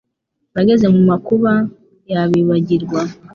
Bageze mu makuba yabibagirwa?